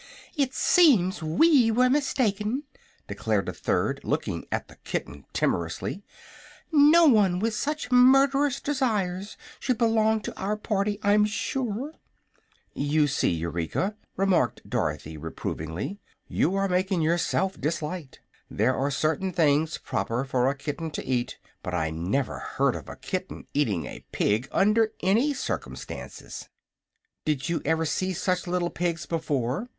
"It seems we were mistaken," declared a third, looking at the kitten timorously, "no one with such murderous desires should belong to our party, I'm sure." "You see, Eureka," remarked Dorothy, reprovingly, "you are making yourself disliked. There are certain things proper for a kitten to eat; but I never heard of a kitten eating a pig, under any cir'stances." "Did you ever see such little pigs before?"